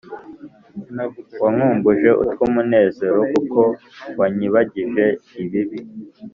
wankumbuje utw` umunezero kuko wanyibagije ibibi.